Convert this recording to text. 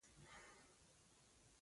هغې وویل: د کوټې په بر کونج کې ناست یې.